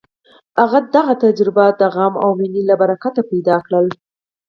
هغه دغه تجربه د غم او مینې له برکته پیدا کړه